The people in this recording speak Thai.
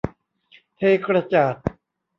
เทกระจาด